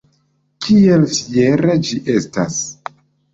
Kiel fiera ĝi estas!